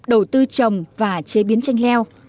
đầu tư trồng và chế biến chanh leo